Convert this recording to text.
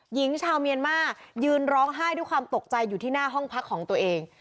หญิงชาวเมียนมายืนร้องไห้ด้วยความตกใจอยู่ที่หน้าห้องพักของตัวเอง